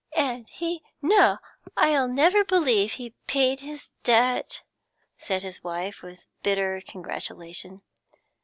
'And he no, I'll never believe he paid his debt!' said his wife, with bitter congratulation.